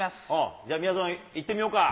じゃあみやぞん、いってみようか。